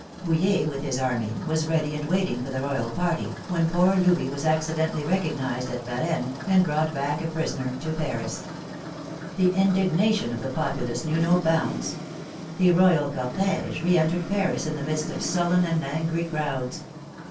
Bouille, with his army, was ready and waiting for the royal party, when poor Louis was accidentally recognized at Varennes, and brought back a prisoner to Paris. The indignation of the populace knew no bounds. The royal cortege reentered Paris in the midst of sullen and angry crowds.